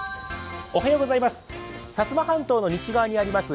薩摩半島の西側にあります